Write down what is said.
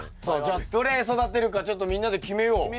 さあじゃあどれ育てるかちょっとみんなで決めよう。